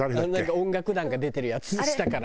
音楽団が出てるやつ舌から。